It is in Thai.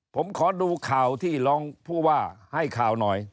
ผมขอดูข่าวที่รองผู้ว่าให้ข่าวหน่อย